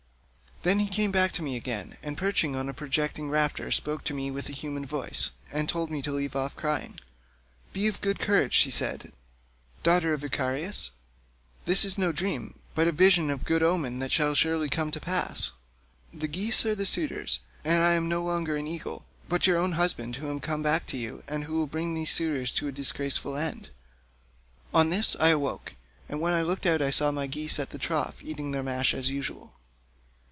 Then he came back again, and perching on a projecting rafter spoke to me with human voice, and told me to leave off crying. 'Be of good courage,' he said, 'daughter of Icarius; this is no dream, but a vision of good omen that shall surely come to pass. The geese are the suitors, and I am no longer an eagle, but your own husband, who am come back to you, and who will bring these suitors to a disgraceful end.' On this I woke, and when I looked out I saw my geese at the trough eating their mash as usual."